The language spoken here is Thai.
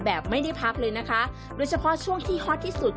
แบบไม่ได้พักเลยนะคะโดยเฉพาะช่วงที่ฮอตที่สุด